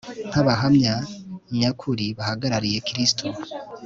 nk'abahamya nyakuri bahagarariye kristo